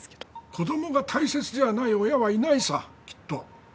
子供が大切じゃない親はいないさきっと。